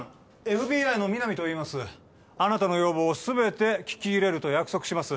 ＦＢＩの皆実といいますあなたの要望をすべて聞き入れると約束します